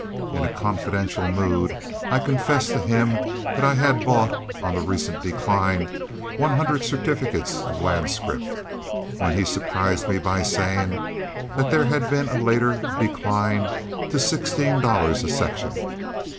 In a confidential mood I confessed to him that I had bought, on the recent decline, one hundred certificates of land scrip, when he surprised me by saying that there had been a later decline to sixteen dollars a section.